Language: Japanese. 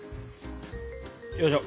よいしょ。